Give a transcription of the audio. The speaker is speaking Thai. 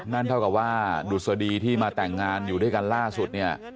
นั่นเท่ากับว่าดุษฎีที่มาแต่งงานอยู่ด้วยกันล่าสุดเนี่ย